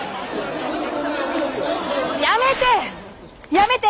やめて！